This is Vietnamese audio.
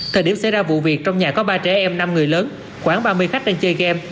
thời điểm xảy ra vụ việc trong nhà có ba trẻ em năm người lớn khoảng ba mươi khách đang chơi game